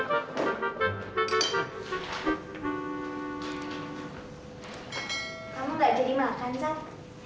kamu nggak jadi makan sam